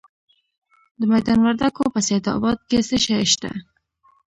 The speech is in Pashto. د میدان وردګو په سید اباد کې څه شی شته؟